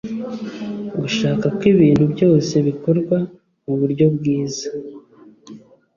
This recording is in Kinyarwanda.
Gushaka ko ibintu byose bikorwa mu buryo bwiza